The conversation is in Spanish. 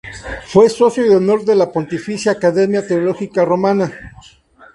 Fue Socio de Honor de la Pontificia Academia Teológica Romana.